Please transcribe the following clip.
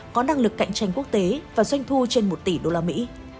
có năng lực cạnh tranh quốc tế và doanh thu trên một tỷ đô la mỹ